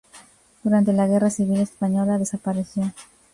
Durante la guerra civil española desapareció.